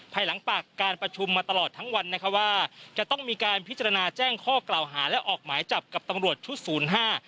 ภายหลังปากการประชุมมาตลอดทั้งวันนะคะว่าจะต้องมีการพิจารณาแจ้งข้อกล่าวหาและออกหมายจับกับตำรวจชุดศูนย์ห้า